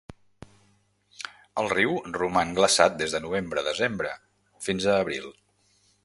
El riu roman glaçat des de novembre-desembre fins a abril.